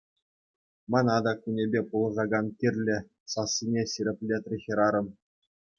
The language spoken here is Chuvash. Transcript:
Мана та кунӗпе пулӑшакан кирлӗ, — сассине ҫирӗплетрӗ хӗрарӑм.